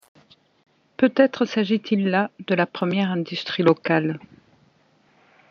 Peut-être s'agit-il là de la première industrie locale.